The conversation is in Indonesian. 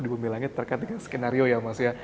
di bumi langit terkait dengan skenario ya mas ya